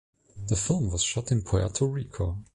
The film was shot in Puerto Rico.